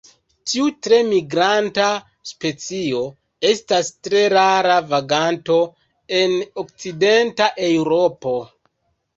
Tiu tre migranta specio estas tre rara vaganto en okcidenta Eŭropo.